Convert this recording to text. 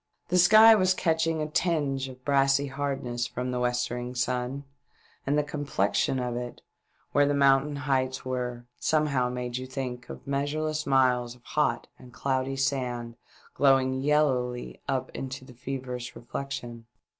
The sky was catching a tinge of brassy hardness from the westering sun, and the complexion of it, where the mountain heights were, somehow made you think of measure less miles of hot and cloudy sand glowing yellowly up Into that feverish reflection.